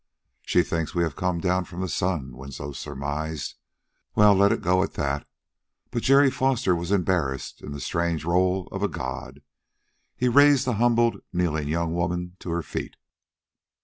"She thinks we have come down from the sun," Winslow surmised. "Well, let it go at that." But Jerry Foster was embarrassed in the strange role of a god; he raised the humbled, kneeling young woman to her feet.